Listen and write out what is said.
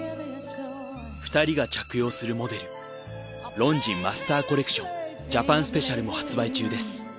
２人が着用するモデルロンジンマスターコレクションＪＡＰＡＮＳＰＥＣＩＡＬも発売中です。